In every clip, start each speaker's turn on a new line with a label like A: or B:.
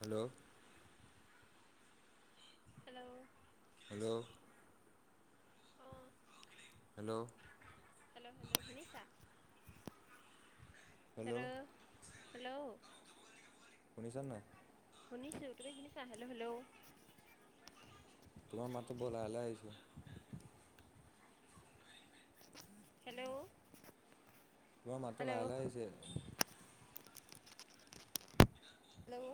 A: Hello.
B: Hello
A: hello.
B: [inaudible]
A: Hello.
B: Hello hello শুনিছা hello, hello.
A: শুনিছানে নাই।
B: শুনিছোঁ তুমি শুনিছা হেল্ল', হেল্ল'।
A: তোমাৰ মাতটো বৰ লাহে লাহে আহিছে।
B: হেল্ল'।
A: তোমাৰ মাতটো
B: হেল্ল'
A: লাহে লাহে আহিছে।
B: হেল্ল'।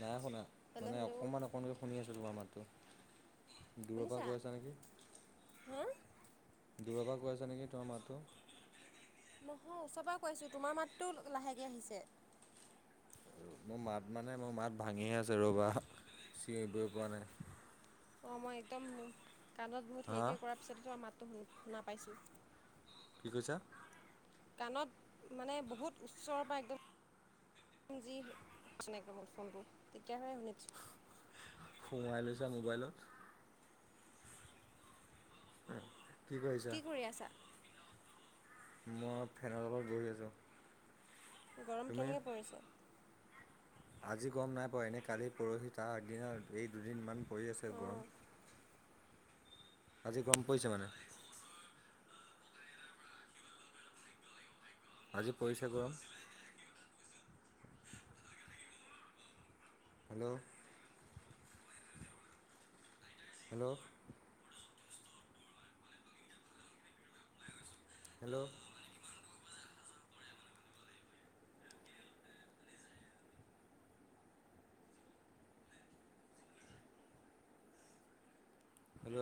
A: নাই শুনা,
B: হেল্ল'
A: মানে
B: হেল্ল'
A: অকণমান অকণমানকৈ শুনি আছোঁ তোমাৰ মাতটো। দূৰৰ পৰা
B: শুনিছা
A: কয় আছা নেকি।
B: হা
A: দূৰৰ পৰা কয় আছা নেকি তোমাৰ মাতটো।
B: নহয় ওচৰৰ পৰা কৈছোঁ তোমাৰ মাতটো লাহেকে আহিছে।
A: মোৰ মাত মানে মোৰ মাত ভাঙিয়ে আছে ৰ'বা, চিঞৰিবই পৰা নাই।
B: অ' মই একদম কাণত বহুত
A: হা
B: হেৰিকে কৰাৰ পিছতে তোমাৰ মাতটো শুনা পাইছোঁ।
A: কি কৈছা?
B: কাণত মানে বহুত ওচৰৰ পৰা একদম যি [unintelligible] ফোনটো তেতিয়াহে শুনিছোঁ।
A: সোমাই লৈছা মোবাইলত। [unintelligible]
B: কি কৰি আছা?
A: মই ফেনৰ তলত বহি আছোঁ।
B: গৰম
A: তুমি
B: কেনেকে পৰিছে।
A: আজি গৰম নাই পোৱা এনে কালি, পৰহি তাৰ আগদিন এই দুদিনমান পৰি আছে
B: অঁ
A: গৰম। আজি গৰম পৰিছে মানে। আজি পৰিছে গৰম। Hello. Hello. Hello. Hello.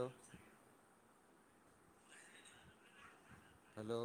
A: Hello.